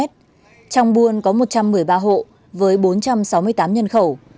trong buôn có một trăm một mươi ba hộ với bốn trăm sáu mươi tám nhân khẩu